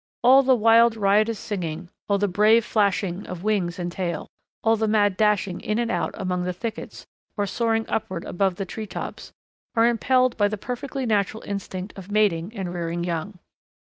All the wild riotous singing, all the brave flashing of wings and tail, all the mad dashing in and out among the thickets or soaring upward above the tree tops, are impelled by the perfectly natural instinct of mating and rearing young.